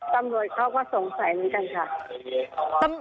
ตำรวจเขาก็สงสัยเหมือนกันค่ะ